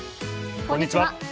こんにちは。